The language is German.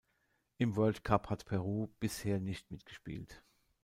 Im World Cup hat Peru bisher nicht mitgespielt.